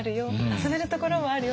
遊べるところもあるよ。